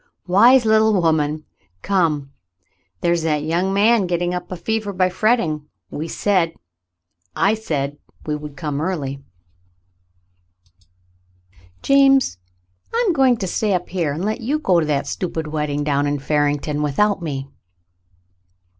"Wise little woman ! Come. There's that young man 189 190 The Mountain Girl getting up a fever by fretting. We said — I said we would come early." "James, I'm going to stay up here and let you go to that stupid wedding down in Farington without me."